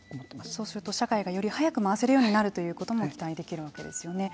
そうすると、社会がより早く回せるようになるということも期待できるわけですよね。